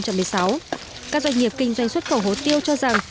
các doanh nghiệp kinh doanh xuất khẩu hồ tiêu cho rằng